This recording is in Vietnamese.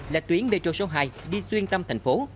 là tuyến metro số hai đi xuyên tâm thành phố